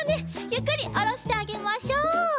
ゆっくりおろしてあげましょう。